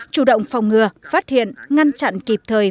chủ động phòng ngừa phát hiện ngăn chặn kịp thời